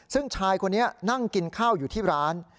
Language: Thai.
ซึ่งชายคนนี้นั่งกินข้าวอยู่ที่ร้าน